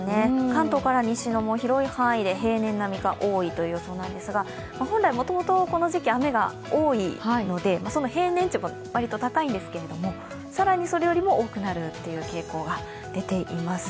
関東から西の広い範囲で平年並みか多いということですが本来もともとこの時期、雨が多いので平年値が割と高いんですけれども更にそれよりも多くなるという傾向が出ています。